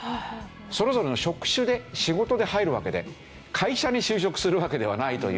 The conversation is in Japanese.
それぞれの職種で仕事で入るわけで会社に就職するわけではないという。